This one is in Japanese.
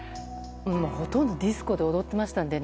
ほとんどディスコで踊ってましたのでね。